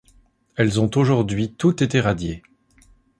Elles ont aujourd'hui toutes été radiées.